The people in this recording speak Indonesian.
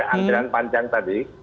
angkiran panjang tadi